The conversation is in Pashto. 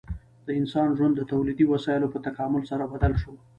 د انسان ژوند د تولیدي وسایلو په تکامل سره بدل شو.